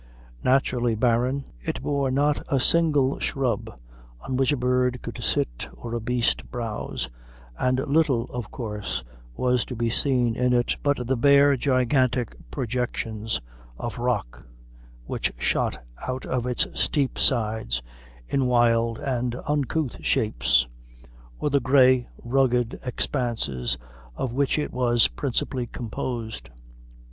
Naturally barren, it bore not a single shrub on which a bird could sit or a beast browse, and little, of course, was to be seen in it but the bare gigantic projections of rock which shot out of its steep sides in wild and uncouth shapes, or the grey, rugged expanses of which it was principally composed.